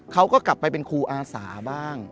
เขาก็กลับไปเป็นครูอาสาบ้าง